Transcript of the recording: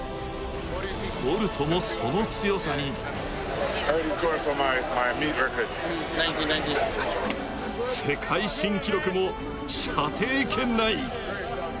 ボルトもその強さに世界新記録も射程圏内。